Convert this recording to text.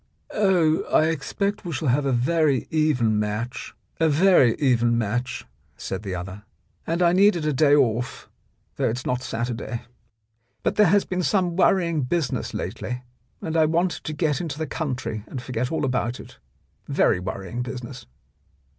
"Oh, I expect we shall have a very even match, a very even match," said the other. "And I needed a day off, though it is not Saturday. But there has 45 The Blackmailer of Park Lane been some worrying business lately, and I wanted to get into the country and forget all about it. Very worrying business."